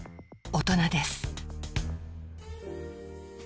大人です